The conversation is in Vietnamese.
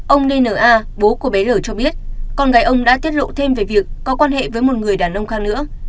ông dna bố của bé r cho biết con gái ông đã tiết lộ thêm về việc có quan hệ với một người đàn ông khác nữa